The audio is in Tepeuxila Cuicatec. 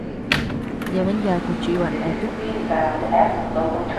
Yebean yaaku chíba neatuu.